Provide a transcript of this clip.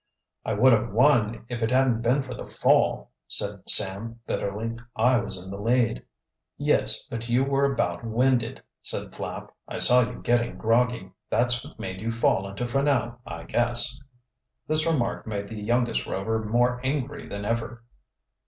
"I would have won if it hadn't been for the fall," said Sam bitterly. "I was in the lead." "Yes, but you were about winded," said Flapp. "I saw you getting groggy. That's what made you fall into Franell, I guess." This remark made the youngest Rover more angry than ever.